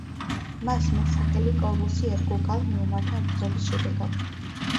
მას მეტსახელი კორვუსი ერგო გალ მეომართან ბრძოლის შედეგად.